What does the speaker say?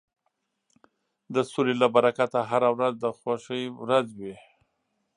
د سولې له برکته هره ورځ د خوښۍ ورځ وي.